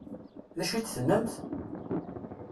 D acu i d-tennamt?